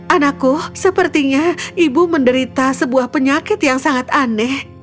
anakku sepertinya ibu menderita sebuah penyakit yang sangat aneh